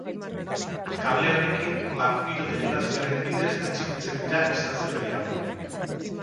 Kable honekin banpiro-deribazioaren bidez atxikitzen dira estazio gehiago.